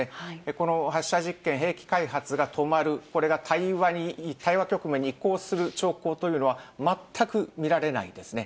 この発射実験、兵器開発が止まる、これが対話局面に移行する兆候というのは、全く見られないですね。